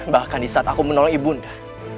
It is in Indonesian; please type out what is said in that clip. bahkan disaat aku menolong ibunda